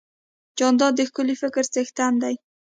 جانداد د ښکلي فکر څښتن دی.